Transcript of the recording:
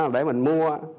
để mình mua